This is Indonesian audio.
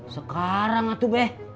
sekarang atuh beh